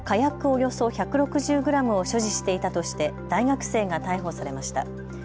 およそ１６０グラムを所持していたとして大学生が逮捕されました。